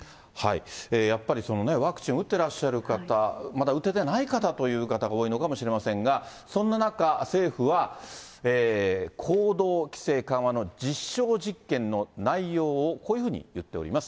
やはりワクチン打ってらっしゃる方、まだ打ててない方という方が多いのかもしれませんが、そんな中、政府は、行動規制緩和の実証実験の内容を、こういうふうに言っております。